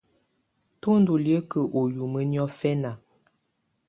Tɔ ndɔ liǝ́kǝ́ u yumǝ́ niɔfɛna.